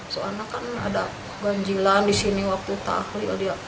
soalnya kan ada ganjilan di sini waktu tahlih